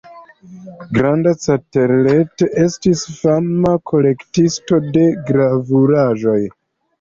Grand-Carteret estis fama kolektisto de gravuraĵoj.